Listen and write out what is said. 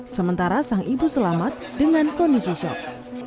sementara sang ibu selamat dengan kondisi shock